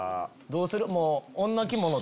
どうする？